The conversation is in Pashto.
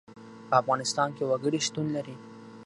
په افغانستان کې وګړي شتون لري.